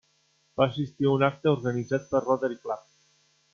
Va assistir a un acte organitzat pel Rotary Club.